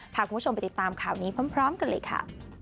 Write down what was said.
พาคุณผู้ชมไปติดตามข่าวนี้พร้อมกันเลยค่ะ